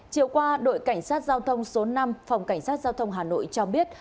chiều qua đội cảnh sát giao thông số năm phòng cảnh sát giao thông hà nội cho biết